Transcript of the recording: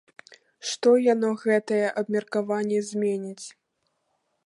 Што яно, гэтае абмеркаванне, зменіць?